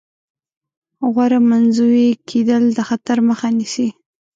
غوره منزوي کېدل د خطر مخه نیسي.